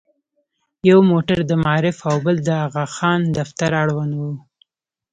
یو موټر د معارف او بل د اغاخان دفتر اړوند و.